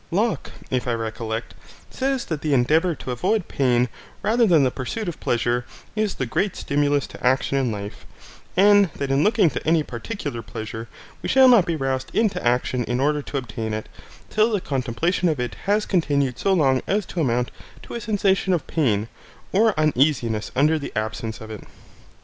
Locke, if I recollect, says that the endeavour to avoid pain rather than the pursuit of pleasure is the great stimulus to action in life: and that in looking to any particular pleasure, we shall not be roused into action in order to obtain it, till the contemplation of it has continued so long as to amount to a sensation of pain or uneasiness under the absence of it.